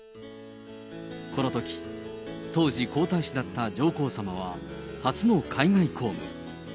このとき、当時皇太子だった上皇さまは、初の海外公務。